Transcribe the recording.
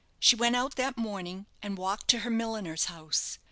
She went out that morning, and walked to her milliner's house.